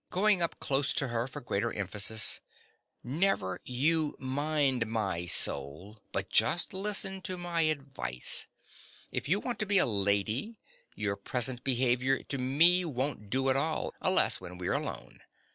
(going up close to her for greater emphasis). Never you mind my soul; but just listen to my advice. If you want to be a lady, your present behaviour to me won't do at all, unless when we're alone.